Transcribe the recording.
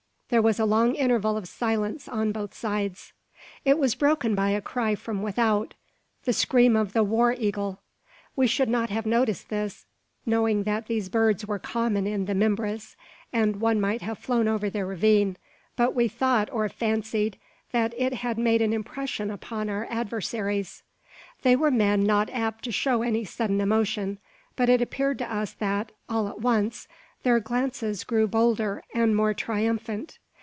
There was a long interval of silence on both sides. It was broken by a cry from without the scream of the war eagle! We should not have noticed this, knowing that these birds were common in the Mimbres, and one might have flown over the ravine; but we thought, or fancied, that it had made an impression upon our adversaries. They were men not apt to show any sudden emotion; but it appeared to us that, all at once, their glances grew bolder, and more triumphant.